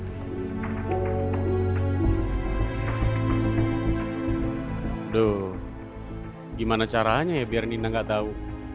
aduh gimana caranya ya biar nina nggak tahu